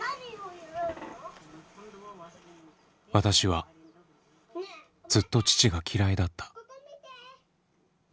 私はずっと父が嫌いだった。